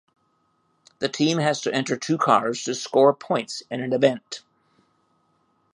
A team has to enter two cars to score points in an event.